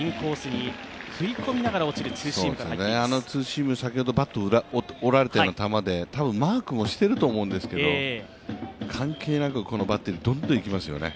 あのツーシームバットを折られたような球で多分マークもしてると思うんですけど、関係なくこのバッテリー、どんどんいきますよね。